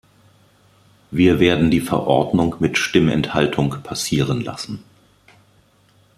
Wir werden die Verordnung mit Stimmenthaltung passieren lassen.